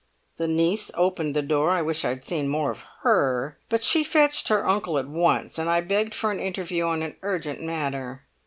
The niece opened the door—I wish I'd seen more of her—but she fetched her uncle at once and I begged for an interview on an urgent matter.